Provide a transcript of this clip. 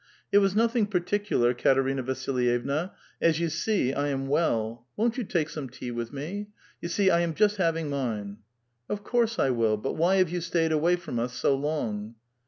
*' It was nothing particular, Katerina Vasilyevna ; as you see, I am well. Won't you take some tea with me? Ifou see I am just having mine." " Of course I will ; but why have you stayed away from us so long